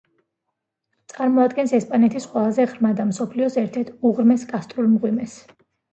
წარმოადგენს ესპანეთის ყველაზე ღრმა და მსოფლიოს ერთ-ერთ უღრმეს კარსტულ მღვიმეს.